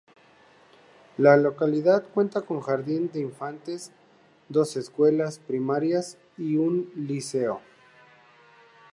La localidad cuenta con jardín de infantes, dos escuelas primarias y un liceo.